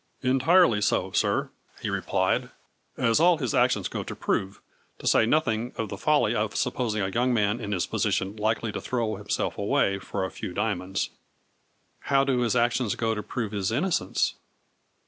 " Entirely so, sir," he replied, " as all his actions go to prove ; to say nothing of the folly of supposing a young man in his position likely to throw himself away for a few diamonds." " How do his actions go to prove his inno cence